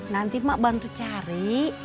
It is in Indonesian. nanti mak bantu cari